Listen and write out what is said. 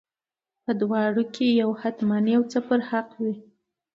په دواړو کې به یو حتما یو څه پر حق وي.